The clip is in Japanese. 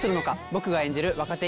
僕が演じる若手